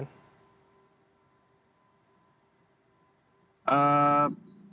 ini kan posisi yang cukup tinggi begitu untuk kementerian